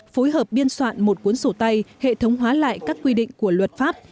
phối hợp biên soạn một cuốn sổ tay hệ thống hóa lại các quy định của luật pháp